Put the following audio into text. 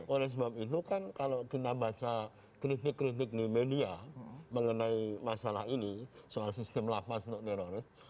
oleh sebab itu kan kalau kita baca kritik kritik di media mengenai masalah ini soal sistem lapas untuk teroris